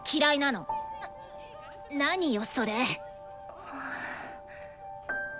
何よそれ。